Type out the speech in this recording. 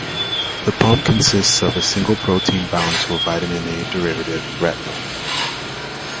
The pump consists of a single protein bound to a Vitamin A derivative, retinal.